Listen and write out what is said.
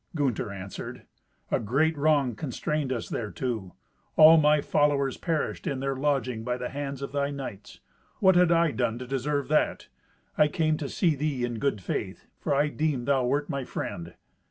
Gunther answered, "A great wrong constrained us thereto. All my followers perished in their lodging by the hands of thy knights. What had I done to deserve that? I came to see thee in good faith, for I deemed thou wert my friend."